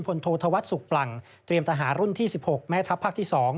โทษธวัฒนสุขปลั่งเตรียมทหารรุ่นที่๑๖แม่ทัพภาคที่๒